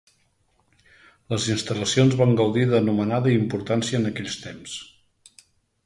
Les instal·lacions van gaudir d'anomenada i importància en aquells temps.